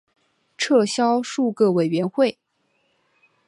撤销数个委员会。